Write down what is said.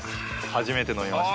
初めて飲みました。